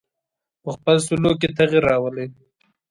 په خپل سلوک کې تغیر راولي.